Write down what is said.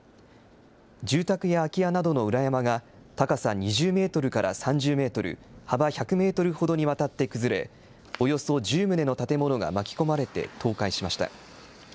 住宅や空き家などの裏山が高さ２０メートルから３０メートル、幅１００メートルほどにわたって崩れ、およそ１０棟の建物が巻き込まれて倒壊しました。